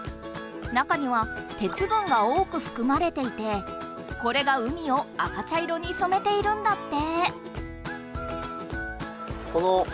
中には「鉄分」が多くふくまれていてこれが海を赤茶色にそめているんだって。